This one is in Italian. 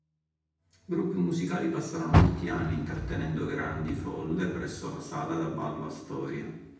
Gruppi musicali passarono molti anni intrattenendo grandi folle presso la sala da ballo Astoria.